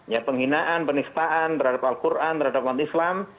ya penghinaan penistaan terhadap al quran terhadap umat islam